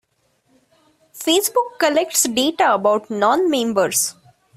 Facebook collects data about non-members.